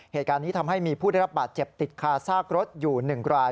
เหตุการณ์นี้ทำให้มีผู้ได้รับบาดเจ็บติดคาซากรถอยู่๑ราย